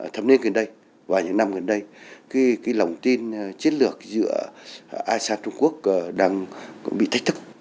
thầm niên gần đây vài năm gần đây cái lòng tin chiến lược giữa asean trung quốc đang bị thách thức